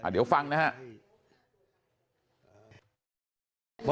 เดี๋ยวฟังนะฮะ